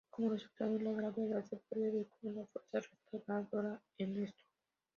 Como resultado, la gravedad se puede ver como la fuerza restauradora en esto.